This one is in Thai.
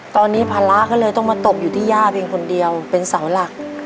ตอนนี้ภาระก็เลยต้องมาตกอยู่ที่ย่าเพียงคนเดียวเป็นเสาหลัก